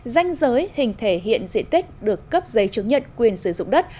danh giới hình thể hiện diện tích được cấp giấy chứng nhận quyền sử dụng đất